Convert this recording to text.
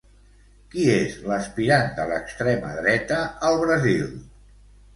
Qui és l'aspirant de l'extrema dreta al Brasil?